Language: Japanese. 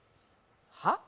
は？